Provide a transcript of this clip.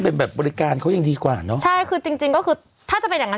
เป็นแบบบริการเขายังดีกว่าเนอะใช่คือจริงจริงก็คือถ้าจะเป็นอย่างนั้น